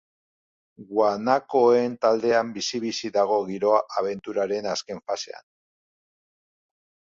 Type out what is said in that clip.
Guanakoen taldean bizi-bizi dago giroa abenturaren azken fasean.